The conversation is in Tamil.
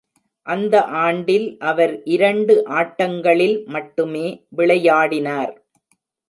அந்த ஆண்டில் அவர் இரண்டு ஆட்டங்களில் மட்டுமே விளையாடினார்.